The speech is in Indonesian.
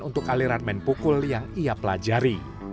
untuk aliran main pukul yang ia pelajari